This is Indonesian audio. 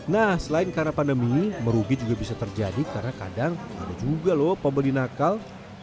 nah selain karena pandemi merugi juga bisa terjadi karena kadang ada juga loh pembeli nakal